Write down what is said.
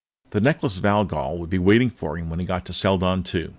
The Necklace of Algol would be waiting for him when he got to Seladon II.